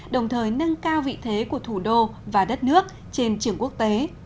đồng thời nâng cao vị thế của thủ đô và đất nước trên trường quốc tế